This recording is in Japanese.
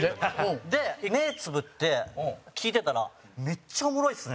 目つぶって聞いてたらめっちゃおもろいっすね！